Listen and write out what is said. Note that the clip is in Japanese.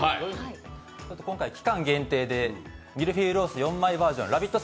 今回期間限定でミルフィーユロース４枚バージョン、「ラヴィット！」